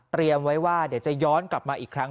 ไว้ว่าเดี๋ยวจะย้อนกลับมาอีกครั้ง